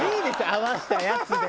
合わせたやつで。